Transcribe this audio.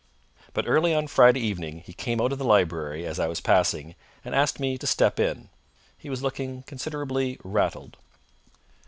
But early on Friday evening he came out of the library as I was passing and asked me to step in. He was looking considerably rattled.